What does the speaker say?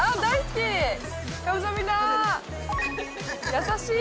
優しい！